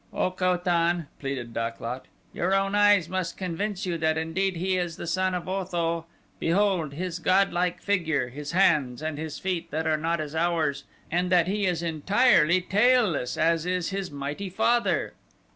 "O Ko tan!" pleaded Dak lot, "your own eyes must convince you that indeed he is the son of Otho. Behold his godlike figure, his hands, and his feet, that are not as ours, and that he is entirely tailless as is his mighty father."